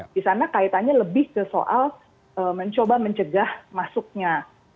di sana kaitannya lebih ke soal mencoba mencegah masuknya